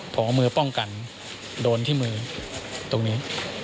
พอเอามือป้องกันโดนที่มือตรงนี้